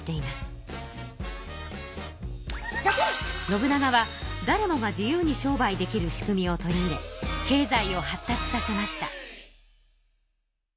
信長はだれもが自由に商売できる仕組みを取り入れ経済を発達させました。